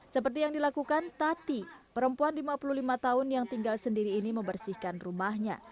seperti yang dilakukan tati perempuan lima puluh lima tahun yang tinggal sendiri ini membersihkan rumahnya